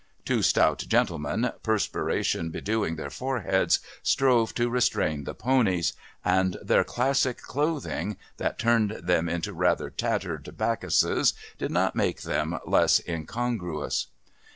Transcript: Two stout gentlemen, perspiration bedewing their foreheads, strove to restrain the ponies, and their classic clothing, that turned them into rather tattered Bacchuses, did not make them less incongruous.